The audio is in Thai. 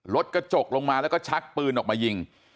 รถกระจกลงมาแล้วก็ชักปืนออกมายิง